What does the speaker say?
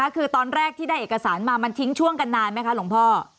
คือตอนแรกที่ได้เอกสารมามันทิ้งช่วงกันนานไหมคะหลวงพ่อ